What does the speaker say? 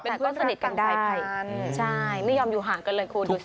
เป็นเพื่อนสนิทกันได้ไปใช่ไม่ยอมอยู่ห่างกันเลยคุณ